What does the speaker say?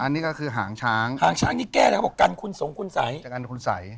อันนี้ก็คือหางช้างหางช้างนี่แก้อะไรครับบอกกันคุณสงค์คุณสัย